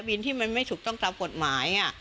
ที่มันไม่ถูกต้องตามกฎหมาย